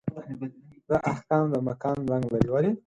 دا احکام د مکان رنګ لري.